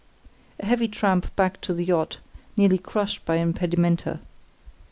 "A heavy tramp back to the yacht, nearly crushed by impedimenta.